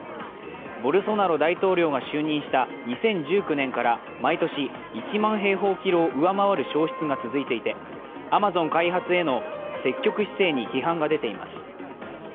ボルソナロ大統領が就任した２０１９年から毎年１万平方キロを上回る消失が続いていてアマゾン開発への積極姿勢に批判が出ています。